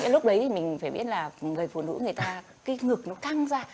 lúc đấy thì mình phải biết là người phụ nữ người ta cái ngực nó căng ra